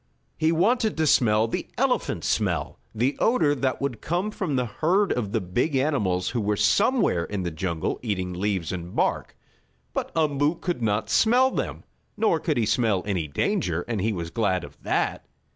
He wanted to smell the elephant smell the odor that would come from the herd of the big animals who were somewhere in the jungle eating leaves and bark. But Umboo could not smell them. Nor could he smell any danger, and he was glad of that.